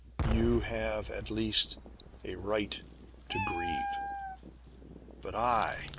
You have at least a right to grieve. "But I!